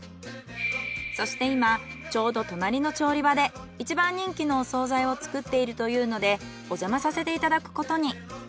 そして今ちょうど隣の調理場で一番人気のお惣菜を作っているというのでおじゃまさせていただくことに。